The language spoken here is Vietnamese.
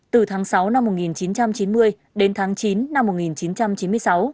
từ tháng sáu năm một nghìn chín trăm chín mươi đến tháng chín năm một nghìn chín trăm chín mươi sáu